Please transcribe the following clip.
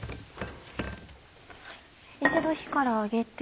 一度火から上げて。